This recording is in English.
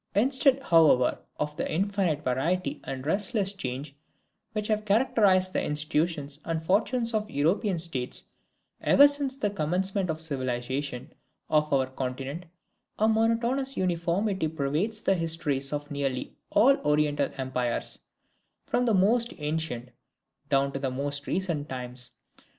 Instead, however, of the infinite variety and restless change which have characterised the institutions and fortunes of European states ever since the commencement of the civilization of our continent, a monotonous uniformity pervades the histories of nearly all Oriental empires, from the most ancient down to the most recent times.